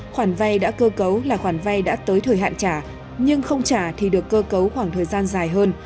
khoản vay đã cơ cấu là khoản vay đã tới thời hạn trả nhưng không trả thì được cơ cấu khoảng thời gian dài hơn